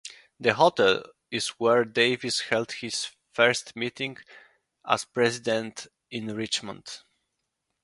The hotel is where Davis held his first meeting as president in Richmond.